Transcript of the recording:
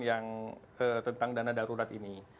yang tentang dana darurat ini